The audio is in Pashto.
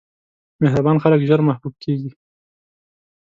مهربان خلک ژر محبوب کېږي.